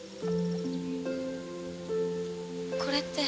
これって。